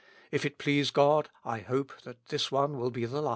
If it please God, I hope that this one will be the last."